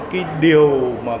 cái điều mà